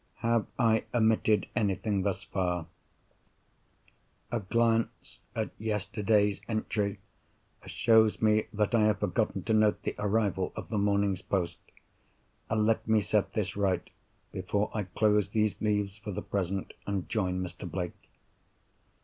Have I omitted anything, thus far? A glance at yesterday's entry shows me that I have forgotten to note the arrival of the morning's post. Let me set this right before I close these leaves for the present, and join Mr. Blake.